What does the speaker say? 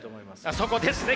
そこですね！